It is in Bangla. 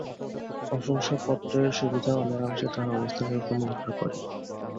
প্রশংসাপত্রের সুবিধা অনেকাংশে তার অবস্থানের উপর নির্ভর করে।